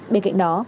bên cạnh đó